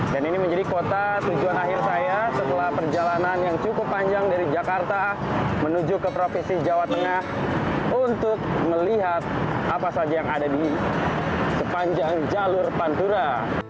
setelah perjalanan yang cukup panjang dari jakarta menuju ke provinsi jawa tengah untuk melihat apa saja yang ada di sepanjang jalur pantura